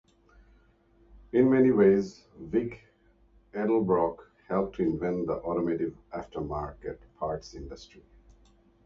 In many ways, Vic Edelbrock helped to invent the automotive aftermarket parts industry.